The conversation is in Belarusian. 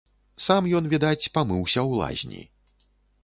Сам ён, відаць, памыўся ў лазні.